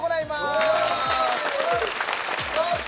よっ！